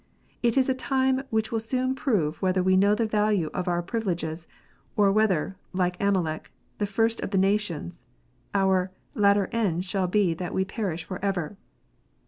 It is a time which will soon prove whether we know the value of our privi leges, or whether, like Amalek, "the first of the nations," our "latter end shall be that we perish for ever."